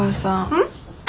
うん？